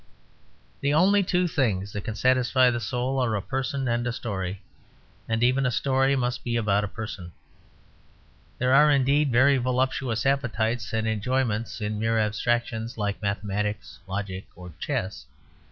The only two things that can satisfy the soul are a person and a story; and even a story must be about a person. There are indeed very voluptuous appetites and enjoyments in mere abstractions like mathematics, logic, or chess.